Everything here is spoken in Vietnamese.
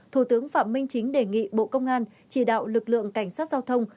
thủ tướng phạm minh chính đề nghị bộ công an chỉ đạo lực lượng cảnh sát giao thông